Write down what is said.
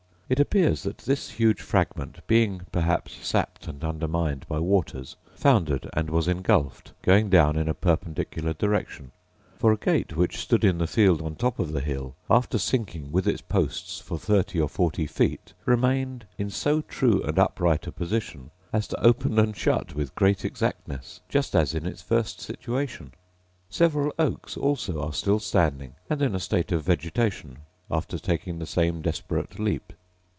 It appears that this huge fragment, being perhaps sapped and undermined by waters, foundered, and was engulfed, going down in a perpendicular direction; for a gate which stood in the field, on the top of the hill, after sinking with its posts for thirty or forty feet, remained in so true and upright a position as to open and shut with great exactness, just as in its first situation. Several oaks also are still standing, and in a state of vegetation, after taking the same desperate leap.